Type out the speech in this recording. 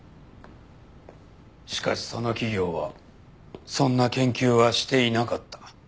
しかしその企業はそんな研究はしていなかった。